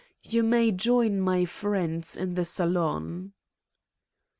You may join my friends in the salon."